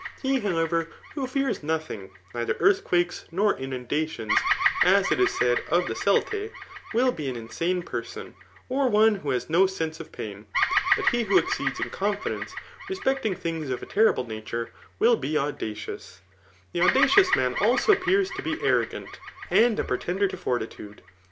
He, iiowever, who fears nothing, neither eardiquakes, nor inundations, as it is said 'Of the Celtae, will be an insane person, 'or one who has no sense of pain ; but he who exceeds in confidence re specting things of a teirible tiature, will he audacioiis^ The audacious man a^ appears to be arrogant, and a pretender to fortitude.